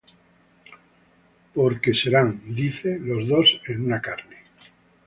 porque serán, dice, los dos en una carne.